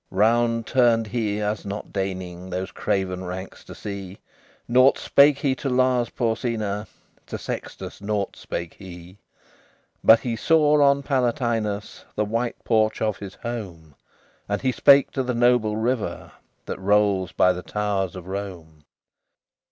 LVIII Round turned he, as not deigning Those craven ranks to see; Nought spake he to Lars Porsena, To Sextus nought spake he; But he saw on Palatinus The white porch of his home; And he spake to the noble river That rolls by the towers of Rome.